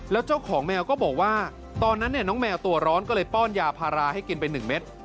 แล้วเจ้าของแมวก็บอกว่าตอนนั้นน้องแมวตัวร้อนก็เลยป้อนยาพาราให้กินไป๑เม็ด